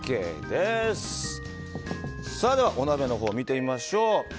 では、お鍋のほうを見てみましょう。